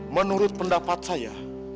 menurut pendapat saya